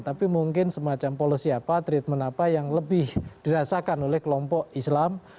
tapi mungkin semacam policy apa treatment apa yang lebih dirasakan oleh kelompok islam